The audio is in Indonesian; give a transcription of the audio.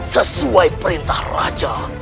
sesuai perintah raja